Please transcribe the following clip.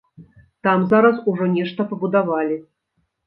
Там зараз ужо нешта пабудавалі.